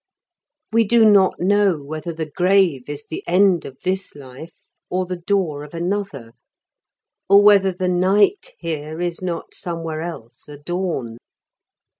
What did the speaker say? We do not know whether the grave is the end of this life or the door of another, or whether the night here is not somewhere else a dawn.